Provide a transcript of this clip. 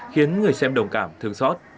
khiến người xem đồng cảm thương xót